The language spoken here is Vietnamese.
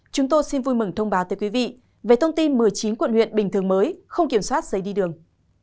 chúng tôi xin vui mừng thông báo tới quý vị về thông tin một mươi chín quận huyện bình thường mới không kiểm soát giấy đi đường